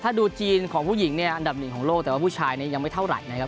ถ้าดูจีนของผู้หญิงเนี่ยอันดับหนึ่งของโลกแต่ว่าผู้ชายเนี่ยยังไม่เท่าไหร่นะครับ